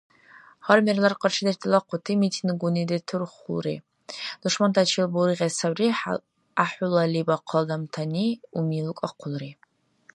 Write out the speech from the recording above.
Гьар мерлар къаршидеш далахъути митингуни детурхулри, душмантачил бургъес саби гӀяхӀулали бахъал адамтани уми лукӀахъулри.